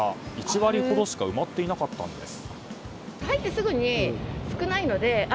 １割ほどしか埋まっていなかったんです。